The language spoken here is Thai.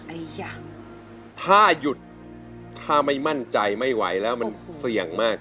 อีกอย่างถ้าหยุดถ้าไม่มั่นใจไม่ไหวแล้วมันเสี่ยงมาก